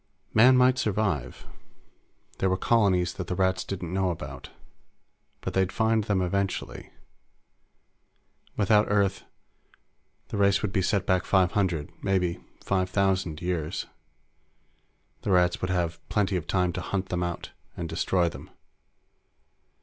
Man might survive. There were colonies that the Rats didn't know about. But they'd find them eventually. Without Earth, the race would be set back five hundred maybe five thousand years. The Rats would would have plenty of time to hunt them out and destroy them.